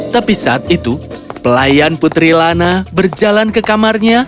tapi saat itu pelayan putri lana berjalan ke kamarnya